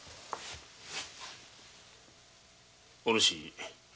お主